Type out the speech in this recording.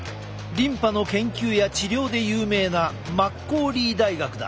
リンパの研究や治療で有名なマッコーリー大学だ。